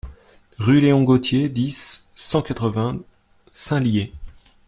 Rue Léon Gauthier, dix, cent quatre-vingts Saint-Lyé